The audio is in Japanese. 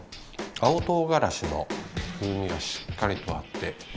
青トウガラシの風味がしっかりとあって。